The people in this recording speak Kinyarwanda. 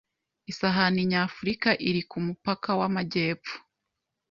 Isahani nyafurika iri kumupaka wamajyepfo